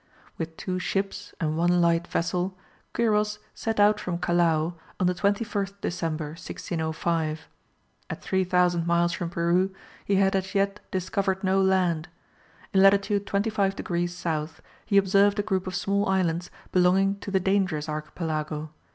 With two ships and one light vessel, Quiros set out from Callao on the 21st December, 1605. At 3000 miles from Peru he had as yet discovered no land. In latitude 25 degrees south he observed a group of small islands belonging to the Dangerous archipelago.